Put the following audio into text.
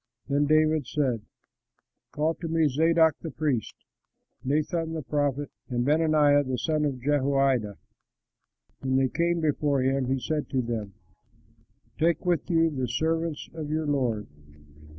Then David said, "Call to me Zadok the priest, Nathan the prophet, and Benaiah the son of Jehoiada." When they came before him, he said to them, "Take with you the servants of your lord.